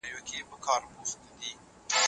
هغوی ته د نورو سره د خوراک شریکول وښایئ.